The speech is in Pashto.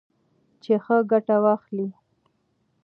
چې ښه ګټه واخلئ.